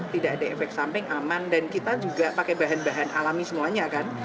tidak ada efek samping aman dan kita juga pakai bahan bahan alami semuanya kan